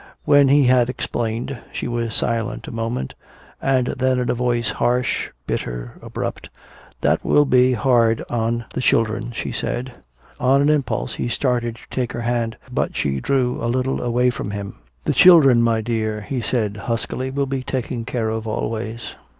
When he had explained, she was silent a moment, and then in a voice harsh, bitter, abrupt, "That will be hard on the children," she said. On an impulse he started to take her hand, but she drew a little away from him. "The children, my dear," he said huskily, "will be taken care of always."